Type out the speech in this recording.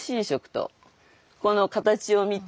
この形を見て。